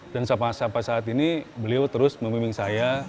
dan sampai saat ini beliau terus memimbing saya